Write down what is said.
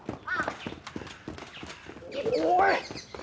おい！